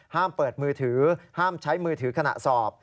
ห้ามเปิดมือถือห้ามใช้มือถือขณะสอบ